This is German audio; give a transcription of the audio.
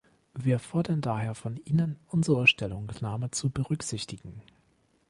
Wir fordern daher von Ihnen, unsere Stellungnahme zu berücksichtigen.